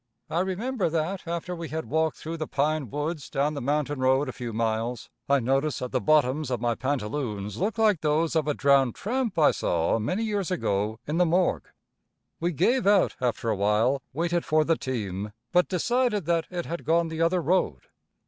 I remember that after we had walked through the pine woods down the mountain road a few miles, I noticed that the bottoms of my pantaloons looked like those of a drowned tramp I saw many years ago in the morgue. We gave out after a while, waited for the team, but decided that it had gone the other road.